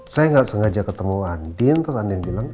saya gak sengaja ketemu andin terus andin bilang